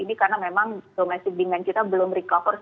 ini karena memang domestic demand kita belum recover